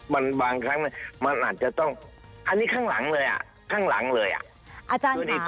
มันบางครั้งมันอาจจะต้องอันนี้ข้างหลังเลยอ่ะข้างหลังเลยอ่ะ